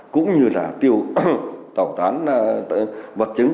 cũng như là tẩu tán vật chứng